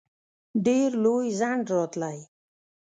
ډېر لوی ځنډ راتلی.